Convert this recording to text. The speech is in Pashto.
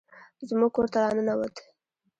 زموږ کور ته راننوت